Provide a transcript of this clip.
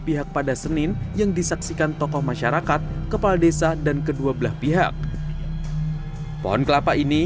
pihak pada senin yang disaksikan tokoh masyarakat kepala desa dan kedua belah pihak pohon kelapa ini